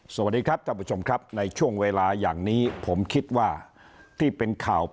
สวัสดีค่ะ